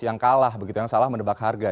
yang kalah begitu yang salah menebak harga